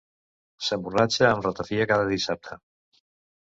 S'emborratxa amb ratafia cada dissabte.